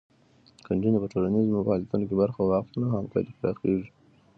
که نجونې په ټولنیزو فعالیتونو کې برخه واخلي، نو همکاري پراخېږي.